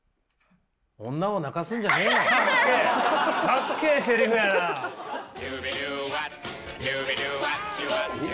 女を泣かすんじゃねえよ。かっけえ！